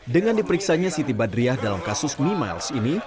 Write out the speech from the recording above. dengan diperiksanya siti badriah dalam kasus mimiles ini